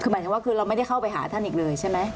คือหมายถึงว่าคือเราไม่ได้เข้าไปหาท่านอีกเลยใช่ไหม